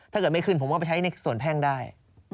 ถ้าเกิดไม่ขึ้นผมก็ไปใช้ในส่วนแพ่งได้